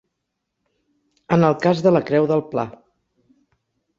En el cas de la Creu del Pla.